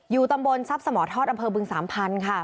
ตำบลทรัพย์สมทอดอำเภอบึงสามพันธุ์ค่ะ